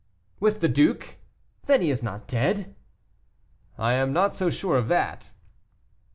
"With the Duke; then he is not dead?" "I am not so sure of that."